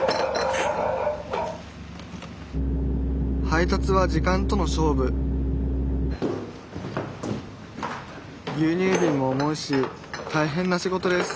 配達は時間との勝負牛乳ビンも重いし大変な仕事です